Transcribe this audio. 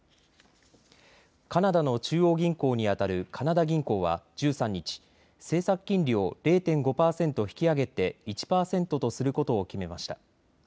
カナダの中央銀行にあたるカナダ銀行は１３日、政策金利を０．５％引き上げて１％とすることを決めました。